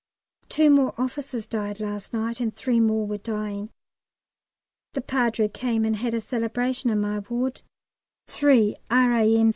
Two more officers died last night, and three more were dying. The Padre came and had a Celebration in my ward. Three R.A.M.